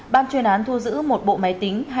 ban chuyên án thu giữ một bộ máy tính